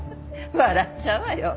笑っちゃうわよ。